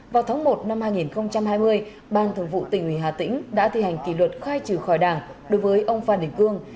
vào tháng một năm hai nghìn hai mươi bang thường vụ tỉnh hà tĩnh đã thi hành kỳ luật khai trừ khỏi đảng đối với ông phan đình cương